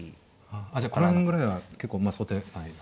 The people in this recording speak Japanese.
じゃあこの辺ぐらいは結構まあ想定内の。